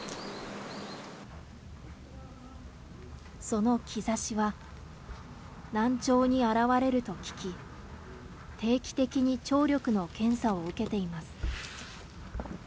その兆しは、難聴に現れると聞き、定期的に聴力の検査を受けています。